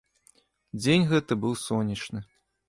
Дзень гэты быў сонечны.